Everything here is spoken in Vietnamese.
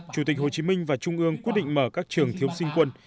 chủ tịch hồ chí minh và trung ương quyết định mở các trường thiếu sinh quân